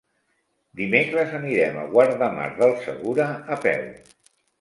Dimecres anirem a Guardamar del Segura a peu.